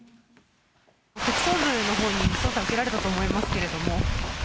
特捜部のほうの捜査を受けられたと思いますけど？